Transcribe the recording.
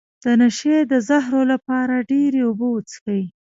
د نشې د زهرو لپاره ډیرې اوبه وڅښئ